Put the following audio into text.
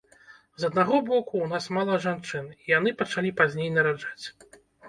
З аднаго боку, у нас мала жанчын, і яны пачалі пазней нараджаць.